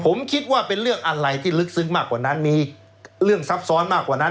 ผมคิดว่าเป็นเรื่องอะไรที่ลึกซึ้งมากกว่านั้นมีเรื่องซับซ้อนมากกว่านั้น